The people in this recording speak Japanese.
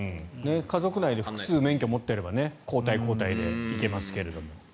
家族内で免許を持っていれば交代交代で行けますが。